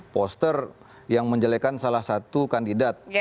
poster yang menjelekan salah satu kandidat